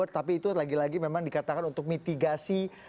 tapi itu lagi lagi memang dikatakan untuk mitigasi